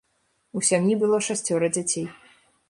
У сям'і было шасцёра дзяцей.